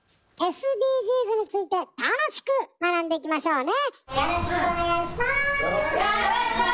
ＳＤＧｓについて楽しく学んでいきましょうね。